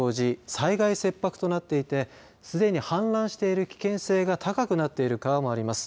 災害切迫となっていてすでに氾濫している危険性が高くなっている川もあります。